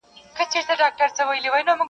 او ژوند يې له خطر سره مخ کيږي-